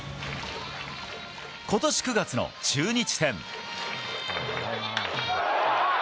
今年９月の中日戦。